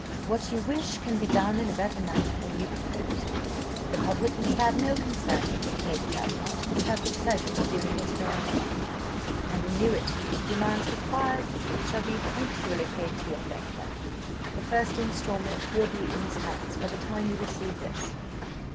"'What you wish can be done in a better manner than you proposed. The public must have no concern with it; Lady Davenant must have the pleasure of doing it her own way; an annuity to the amount required shall be punctually paid to your banker. The first instalment will be in his hands by the time you receive this.